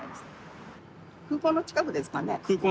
空港の近くですかね？